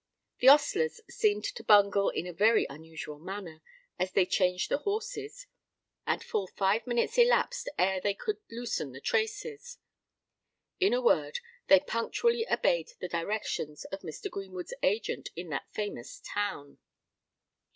The ostlers seemed to bungle in a very unusual manner, as they changed the horses; and full five minutes elapsed ere they could loosen the traces. In a word, they punctually obeyed the directions of Mr. Greenwood's agent in that famous town.